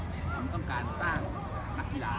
เรียกแล้วผมต้องการสร้างนักยีราศ์